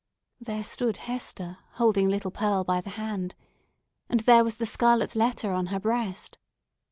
There stood Hester, holding little Pearl by the hand! And there was the scarlet letter on her breast!